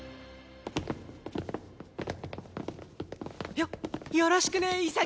よよろしくね潔くん！